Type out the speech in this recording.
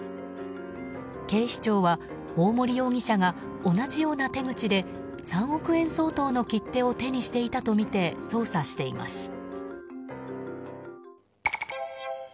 警視庁は大森容疑者が同じような手口で３億円相当の切手を手にしていたとみて捜査しています。